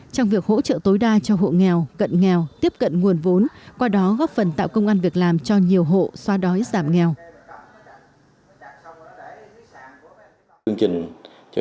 trong việc hỗ trợ tối đa cho hộ nghèo cận nghèo tiếp cận nguồn vốn qua đó góp phần tạo công an việc làm cho nhiều hộ xoa đói giảm nghèo